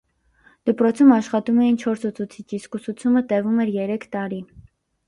Դպրոցում աշխատում էին չորս ուսուցիչ, իսկ ուսուցումը տևում էր երեք տարի։